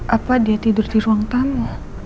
apa dia tidur di ruang tamu